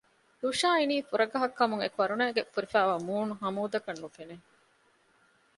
ލުޝާ އިނީ ފުރަގަހަށް ކަމުން އެ ކަރުނައިން ފުރިފައިވާ މޫނު ހަމޫދް އަކަށް ނުފެނެ